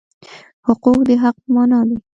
حقوق د حق په مانا دي.